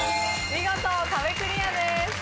見事壁クリアです。